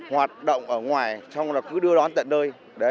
hoạt động ở ngoài xong là cứ đưa đón tận nơi